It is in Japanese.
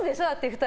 ２人。